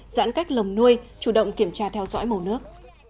giãn cách lồng nuôi chủ động kiểm tra theo dõi màu nước